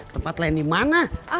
tempat lain dimana